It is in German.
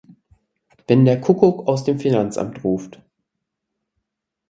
Wenn der Kukuk aus dem Finanzamt ruft.